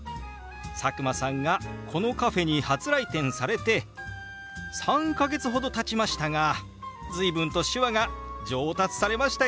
佐久間さんがこのカフェに初来店されて３か月ほどたちましたが随分と手話が上達されましたよね！